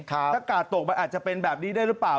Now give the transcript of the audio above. ถ้ากาดตกมันอาจจะเป็นแบบนี้ได้หรือเปล่า